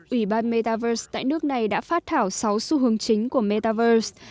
ủy ban metaverse tại nước này đã phát thảo sáu xu hướng chính của metaverse